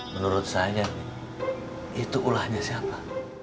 menurut saya itu ulahnya siapa